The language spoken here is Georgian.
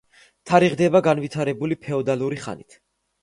თარიღდება განვითარებული ფეოდალური ხანით.